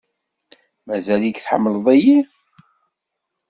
Mazal-ik tḥemmleḍ-iyi?